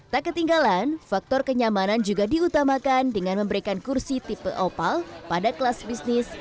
tak ketinggalan faktor kenyamanan juga diutamakan dengan memberikan kursi tipe opal pada kelas bisnis